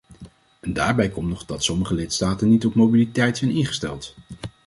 En daarbij komt nog dat sommige lidstaten niet op mobiliteit zijn ingesteld.